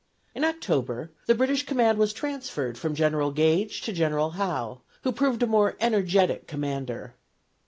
In October, the British command was transferred from General Gage to General Howe, who proved a more energetic commander.